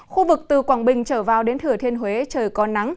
khu vực từ quảng bình trở vào đến thừa thiên huế trời có nắng